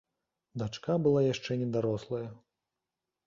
Дачка была яшчэ недарослая.